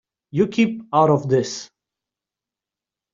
You keep out of this.